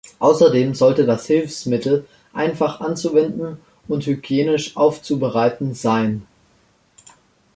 Außerdem sollte das Hilfsmittel einfach anzuwenden und hygienisch aufzubereiten sein.